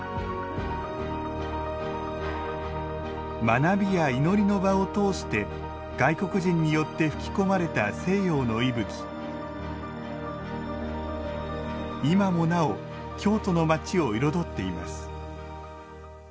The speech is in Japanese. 学びや祈りの場を通して外国人によって吹き込まれた西洋の息吹今もなお京都の街を彩っています